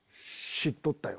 知っとったよ